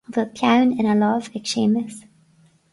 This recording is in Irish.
An bhfuil peann ina lámh ag Séamus